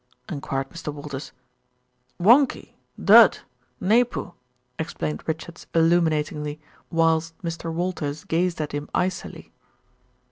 enquired Mr. Walters. "Whonky, dud, na poo," explained Richards illuminatingly, whilst Mr. Walters gazed at him icily.